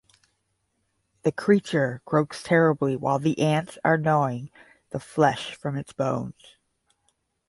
The creature croaks terribly while the ants are gnawing the flesh from its bones.